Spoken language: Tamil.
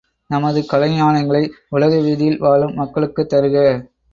நமது கலைஞானங்களை உலக வீதியில் வாழும் மக்களுக்குத் தருக!